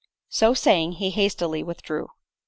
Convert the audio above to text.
" So saying, he hastily withdrew.